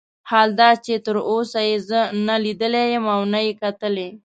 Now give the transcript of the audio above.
حال دا چې تر اوسه یې زه نه لیدلی یم او نه یې کتلی.